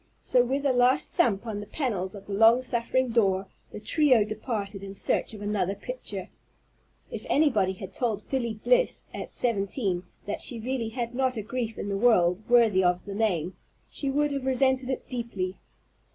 So, with a last thump on the panels of the long suffering door, the trio departed in search of another pitcher. If anybody had told Felie Bliss, at seventeen, that she really had not a grief in the world worthy of the name, she would have resented it deeply.